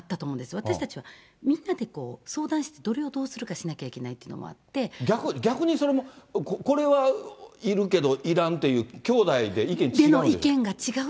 私たちはみんなで相談して、どれをどうするかしないか、逆にそれもこれはいるけど、いらんっていう、きょうだいで意見違うの？